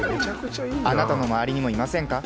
あなたの周りにもいませんか？